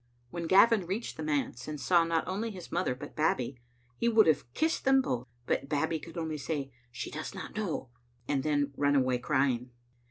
When Gavin reached the manse, and saw not only his mother but Babbie, he would have kissed them both; but Babbie could only say, "She does not know," and then run away crying.